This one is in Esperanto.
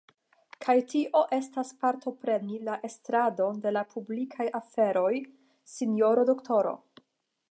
Kaj tio estas partopreni la estradon de la publikaj aferoj, sinjoro doktoro.